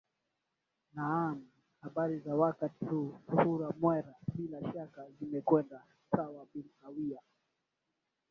naam habari za wakti huu suhura mwera bila shaka zimekwenda sawa bin sawia